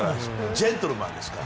ジェントルマンですから。